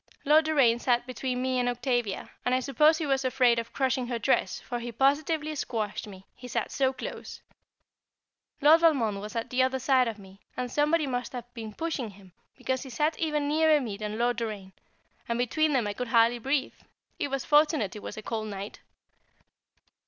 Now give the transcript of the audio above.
Lord Doraine sat between me and Octavia, and I suppose he was afraid of crushing her dress, for he positively squashed me, he sat so close. Lord Valmond was at the other side of me, and somebody must have been pushing him, because he sat even nearer me than Lord Doraine, and between them I could hardly breathe; it was fortunate it was a cold night.